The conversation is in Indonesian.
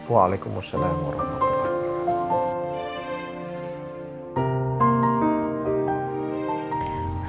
waalaikumsalam warahmatullahi wabarakatuh